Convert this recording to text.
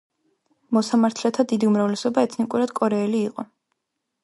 მოსამართლეთა დიდი უმრავლესობა ეთნიკურად კორეელი იყო.